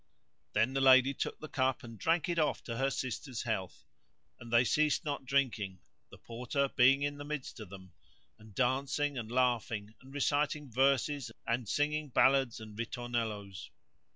Then the lady took the cup, and drank it off to her sisters' health, and they ceased not drinking (the Porter being in the midst of them), and dancing and laughing and reciting verses and singing ballads and ritornellos.